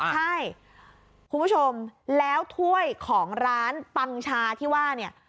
ใช่คุณผู้ชมแล้วถ้วยของร้านปังชาที่ว่าเนี่ย